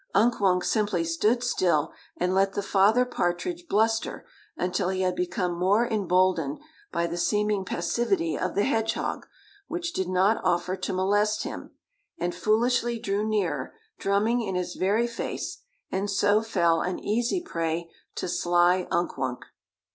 Unk Wunk simply stood still and let the father Partridge bluster until he had become more emboldened by the seeming passivity of the hedgehog, which did not offer to molest him, and foolishly drew nearer, drumming in his very face, and so fell an easy prey to sly Unk Wunk.